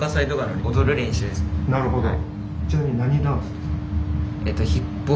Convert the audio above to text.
なるほど。